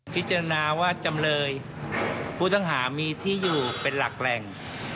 พิจารณาว่าจำเลยผู้ต้องหามีที่อยู่เป็นหลักแหล่ง